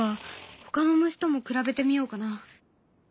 ほかの虫とも比べてみようかな。